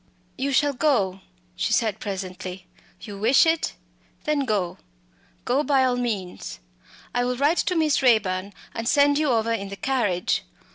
"You shall go," she said presently "you wish it then go go by all means. I will write to Miss Raeburn and send you over in the carriage.